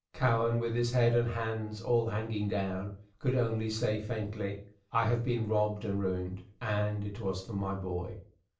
Cowen, with his head and hands all hanging down, could only say, faintly, "I have been robbed and ruined, and it was for my boy.